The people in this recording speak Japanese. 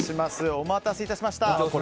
お待たせいたしました。